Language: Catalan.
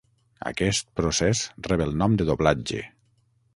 Aquest procés rep el nom de doblatge.